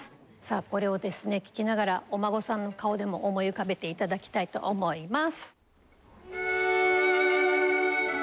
これを聴きながらお孫さんの顔でも思い浮かべていただきたいと思います。